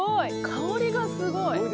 香りがすごい！